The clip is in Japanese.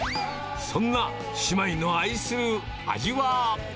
そんな姉妹の愛する味は。